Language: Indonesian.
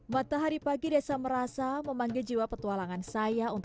matahari pagi desa merasa memanggil jiwa petualangan